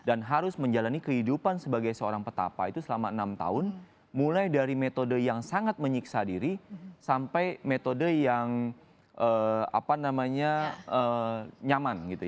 dan harus menjalani kehidupan sebagai seorang petapa itu selama enam tahun mulai dari metode yang sangat menyiksa diri sampai metode yang apa namanya nyaman gitu ya